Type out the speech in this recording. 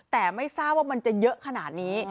แต่ไม่ทราบว่ามันจะเยอะขนาดนี้